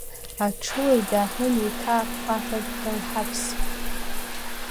Аҽыуаҩ дааҳәын, еиҭа апыҟҟаҳәа дылҳавсит.